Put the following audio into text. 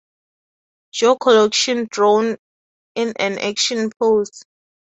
Joe collection drawn in an action pose.